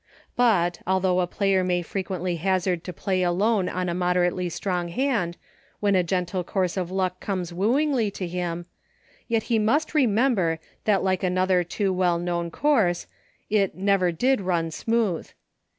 But, although a player may frequently hazard to Play Alone on a moderately strong hand, when a gentle course of luck comes wooingly to him, yet he must remember that like another too well known course, it " never did run smooth.